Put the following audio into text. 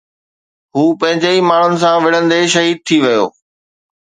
هو پنهنجي ئي ماڻهن سان وڙهندي شهيد ٿي ويو